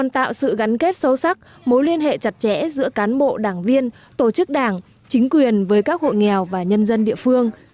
tạo sự gắn kết sâu sắc mối liên hệ chặt chẽ giữa cán bộ đảng viên tổ chức đảng chính quyền với các hộ nghèo và nhân dân địa phương